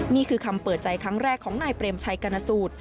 นี่คือคำเปิดใจครั้งแรกของนายเปรมชัยกรณสูตร